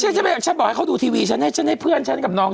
ฉันบอกให้เขาดูทีวีฉันให้ฉันให้เพื่อนฉันกับน้อง